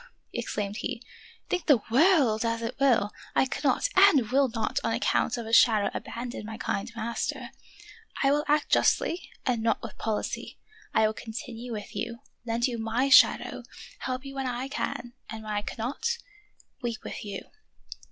exclaimed he; "think the world as it 30 The Wonderful History will, I cannot and will not on account of a shadow abandon my kind master; I will act justly and not with policy. I will continue with you, lend you my shadow, help you when I can, and when I cannot, weep with you."